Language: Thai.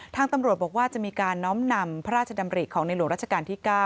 ทางตำรวจบอกว่าจะมีการน้อมนำพระราชดำริของในหลวงราชการที่๙